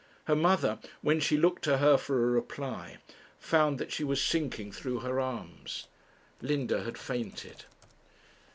Her mother, when she looked to her for a reply, found that she was sinking through her arms. Linda had fainted.